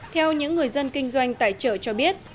theo những người dân kinh doanh tại chợ cho biết